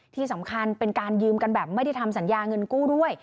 ที่สำคัญเป็นการยืมกันแบบไม่ได้ทำสัญญาเงินกู้ด้วย